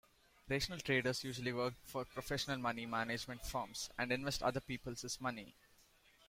Rational traders usually work for professional money management firms, and invest other peoples' money.